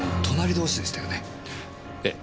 ええ。